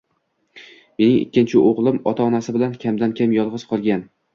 Mening ikkinchi o‘g‘lim ota-onasi bilan kamdan-kam yolg‘iz qolgan.